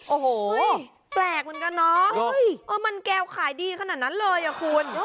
โอ้โหแปลกเหมือนกันเนาะมันแก้วขายดีขนาดนั้นเลยอ่ะคุณ